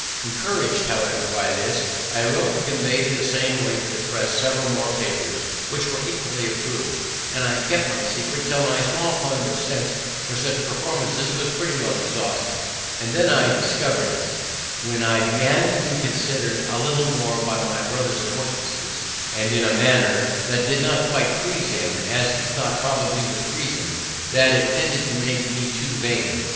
Encourag'd, however, by this, I wrote and conveyed in the same way to the press several more papers which were equally approv'd; and I kept my secret till my small fund of sense for such performances was pretty well exhausted, and then I discovered it, when I began to be considered a little more by my brother's acquaintance, and in a manner that did not quite please him, as he thought, probably with reason, that it tended to make me too vain.